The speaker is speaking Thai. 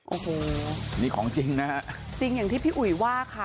โอ้โหนี่ของจริงนะฮะจริงอย่างที่พี่อุ๋ยว่าค่ะ